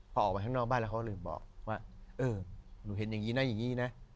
พอออกไปข้างนอกบ้านแล้วเขาลืมบอกว่าเออหนูเห็นอย่างนี้นะอย่างนี้นะ